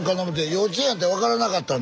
幼稚園やて分からなかったんで。